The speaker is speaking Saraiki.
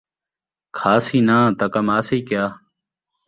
کھاسی ناں تاں کماسی کیا